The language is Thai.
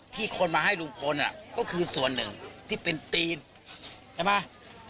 คนมาให้ลุงพลก็คือส่วนหนึ่งที่เป็นตีนใช่ไหม